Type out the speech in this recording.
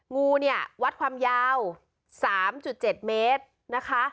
งูเนี่ยวัดความยาว๓๗เมตรนะคะ